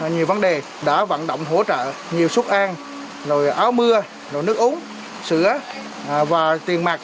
nhiều vấn đề đã vận động hỗ trợ nhiều súc an rồi áo mưa rồi nước uống sữa và tiền mạc